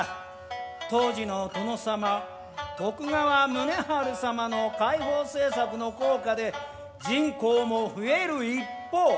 当時の殿様徳川宗春様の開放政策の効果で人口も増える一方。